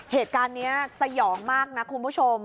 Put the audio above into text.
เหตุการณ์นี้สยองมากนะคุณผู้ชม